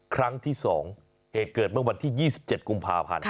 ครั้งที่๒เหตุเกิดเมื่อวันที่๒๗กุมภาพันธ์